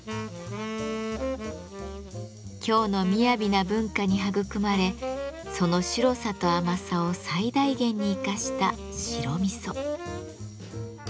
京のみやびな文化に育まれその白さと甘さを最大限に生かした白味噌。